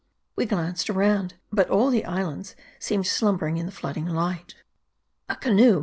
We glanced around ; but all the islands seemed slumber ing in the flooding light. "A canoe